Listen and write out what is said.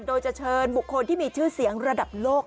โดยจะเชิญบุคคลที่มีชื่อเสียงระดับโลก